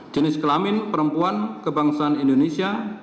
jenis kelamin perempuan kebangsaan indonesia